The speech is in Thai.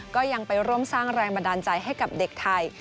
ก็ยังไปร่วมสร้างแรงบันดาลใจให้กับเด็กไทย